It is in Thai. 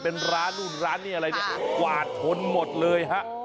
เป็นร้านนู่นร้านนี้อะไรเนี่ยกวาดชนหมดเลยฮะ